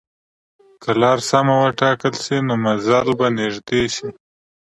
که لار سمه وټاکل شي، نو منزل به نږدې شي.